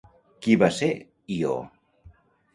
Qui va ser Ió?